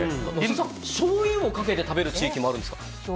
しょうゆをかけて食べる地域もあるんですか？